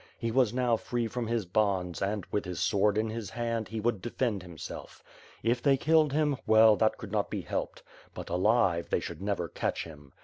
He was now free from his bonds and, with his sword in his hand, he would defend himself. If they killed him, well, that could not be helped; but, alive, they should never catoh him.